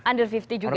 under lima puluh juga